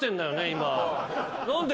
今。